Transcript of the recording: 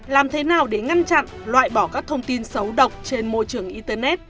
làm thế nào để ngăn chặn loại bỏ các thông tin xấu độc trên môi trường internet